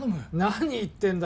何言ってんだ